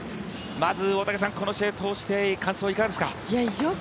まずこの試合を通して感想はいかがですか？